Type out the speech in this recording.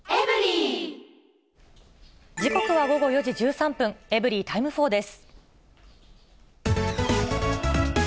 時刻は午後４時１３分、エブリィタイム４です。